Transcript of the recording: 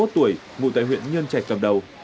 ba mươi một tuổi ngụ tại huyện nhân trạch cầm đầu